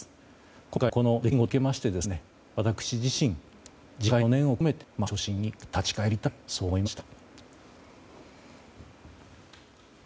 今回のこの出来事を受けまして私自身、自戒の念を込めて初心に立ち返りたいそう思いました。